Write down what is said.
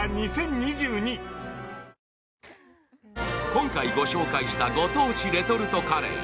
今回ご紹介したご当地レトルトカレー。